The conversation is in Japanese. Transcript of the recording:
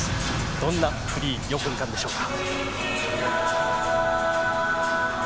どんなフリー、４分間でしょうか。